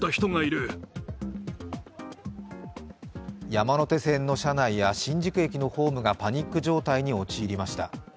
山手線の車内や新宿駅のホームがパニック状態に陥りました。